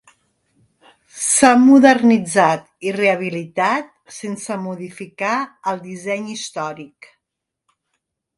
S'ha modernitzat i rehabilitat sense modificar el disseny històric.